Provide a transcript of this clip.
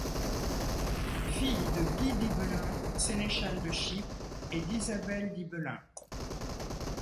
Fille de Guy d'Ibelin, sénéchal de Chypre, et d'Isabelle d'Ibelin.